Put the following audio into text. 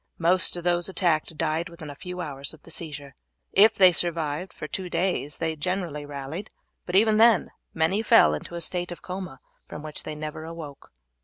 Most of those attacked died within a few hours of the seizure. If they survived for two days they generally rallied, but even then many fell into a state of coma from which they never awoke.